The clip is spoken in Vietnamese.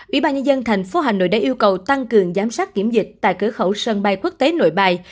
ủy ban nhà dân thành phố hà nội đã yêu cầu tăng cường giám sát kiểm dịch tại cửa khẩu sân bay quốc tế nội bài